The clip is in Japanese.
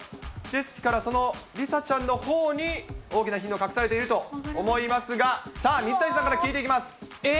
ですから、その梨紗ちゃんのほうに大きなヒントが隠されていると思いますが、さあ、水谷さんから聞いていきます。